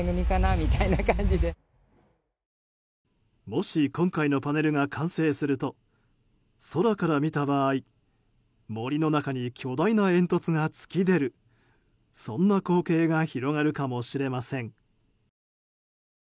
もし今回のパネルが完成すると空から見た場合、森の中に巨大な煙突が突き出るそんな光景が広がるかもしれません。